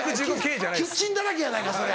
キッチンだらけやないかそれ。